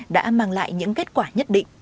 đã mang lại những kết quả nhất định